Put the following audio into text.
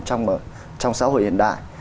trong xã hội hiện đại